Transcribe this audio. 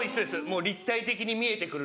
もう立体的に見えてくるので。